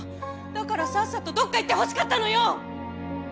だからさっさとどっか行ってほしかったのよ！